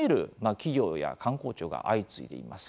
企業や官公庁が相次いでいます。